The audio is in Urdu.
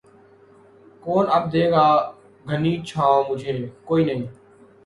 کون اب دے گا گھنی چھاؤں مُجھے، کوئی نہیں